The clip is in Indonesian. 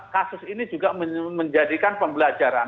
kasus ini juga menjadikan pembelajaran